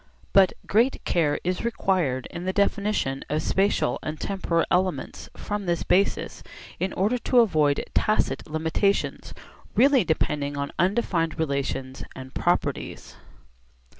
But great care is required in the definition of spatial and temporal elements from this basis in order to avoid tacit limitations really depending on undefined relations and properties.